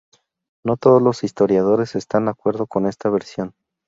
No todos los historiadores están de acuerdo con esta versión.